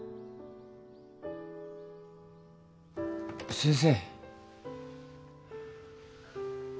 先生。